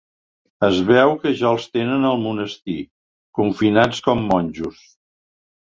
Es veu que ja els tenen al monestir, confinats com monjos.